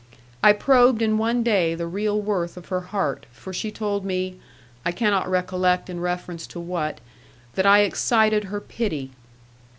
I probed in one day the real worth of her heart, for she told me, I cannot recollect in reference to what, that I excited her pity.